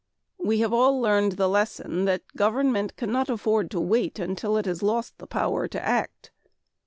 We have all learned the lesson that government cannot afford to wait until it has lost the power to act.